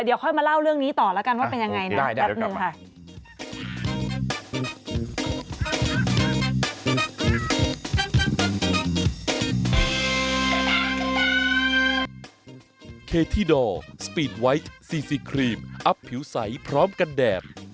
เดี๋ยวค่อยมาเล่าเรื่องนี้ต่อแล้วกันว่าเป็นยังไงนะ